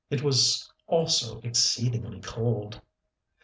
It was also exceedingly cold.